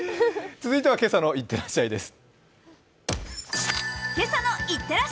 続いては今朝の「いってらっしゃい」です。